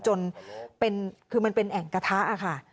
จนคือมันเป็นแอ่งกระทะค่ะ